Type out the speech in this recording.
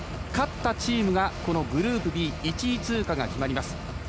勝ったチームがグループＢ１位通過が決まります。